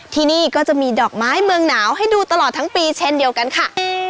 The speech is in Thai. ที่นี่ก็จะมีดอกไม้เมืองหนาวให้ดูตลอดทั้งปีเช่นเดียวกันค่ะ